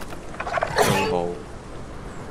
句號